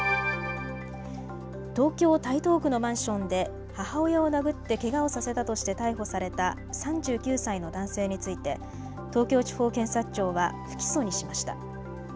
東京台東区のマンションで母親を殴ってけがをさせたとして逮捕された３９歳の男性について東京地方検察庁は不起訴にしました。